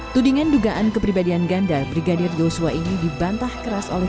tudingan dugaan kepribadian ganda brigadir joshua ini dibantah keras oleh